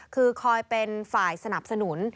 คือคอยเป็นฝ่ายสนับสนุน